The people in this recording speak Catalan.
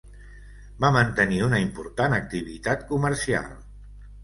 Va mantenir una important activitat comercial.